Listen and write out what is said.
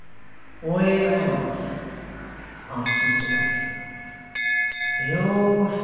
'Where am I?' asks Mr Wegg.